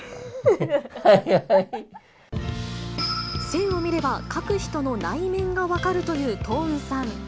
線を見れば、描く人の内面が分かるという東雲さん。